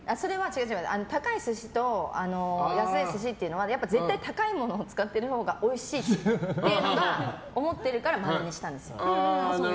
高い寿司と安い寿司っていうのは絶対高いものを使ってるほうがおいしいっていうのが思ってるから○にしたんですよ。